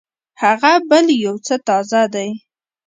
هغه بل يو څه تازه دی.